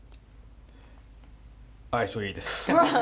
相性いいです。